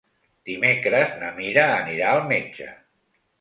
Dimecres na Mira anirà al metge.